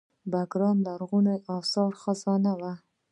بګرام د لرغونو اثارو خزانه وه